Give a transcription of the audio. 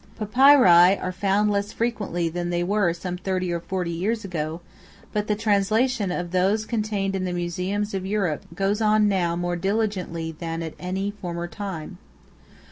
Papyri are found less frequently than they were some thirty or forty years ago; but the translation of those contained in the museums of Europe goes on now more diligently than at any former time.